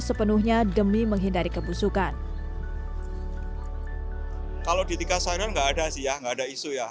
sepenuhnya demi menghindari kebusukan kalau di tiga sayuran enggak ada sih ya nggak ada isu ya